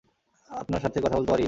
আপনার সাথে কথা বলতে পারি?